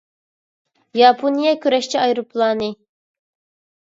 ياپونىيە كۈرەشچى ئايروپىلانى